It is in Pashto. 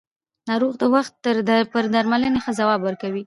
ناروغ د وخت پر درملنې ښه ځواب ورکوي